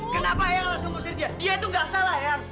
kenapa ayo langsung ngusir dia dia tuh nggak salah yang